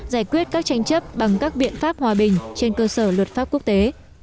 giải quyết các tranh chấp bằng các biện pháp hòa bình trên cơ sở luật pháp quốc tế